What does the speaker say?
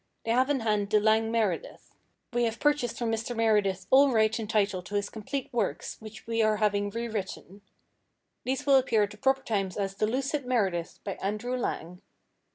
They have in hand the Lang Meredith. We have purchased from Mr. Meredith all right and title to his complete works, which we are having rewritten. These will appear at the proper time as 'The Lucid Meredith, by Andrew Lang.'